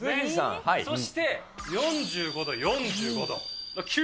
そして、４５度、４５度、９０度。